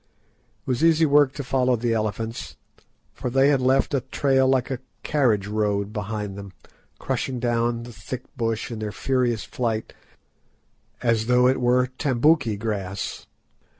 It was easy work to follow the elephants, for they had left a trail like a carriage road behind them, crushing down the thick bush in their furious flight as though it were tambouki grass.